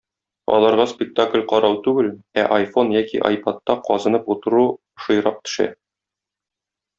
Аларга спектакль карау түгел, ә айфон яки айпадта казынып утыру ошыйрак төшә.